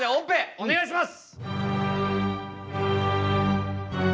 お願いします。